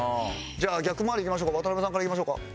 じゃあ逆回りいきましょうか。